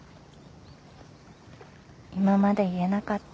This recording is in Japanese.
今まで言えなかった。